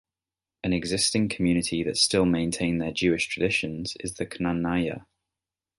An existing community that still maintain their Jewish traditions is the Knanaya.